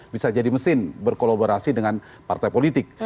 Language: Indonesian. bisa jadi mesin berkolaborasi dengan partai politik